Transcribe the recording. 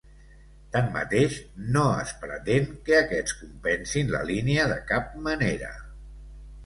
Tanmateix, no es pretén que aquests compensin la línia de cap manera.